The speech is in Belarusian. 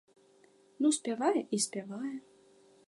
Ну, спявае і спявае.